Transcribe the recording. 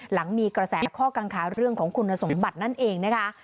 หลังมีกระแสข้อกังขาเรื่องของคุณสมบัตินั่นเองนะคะ